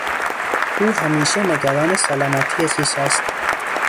او همیشه نگران سلامتی خویش است.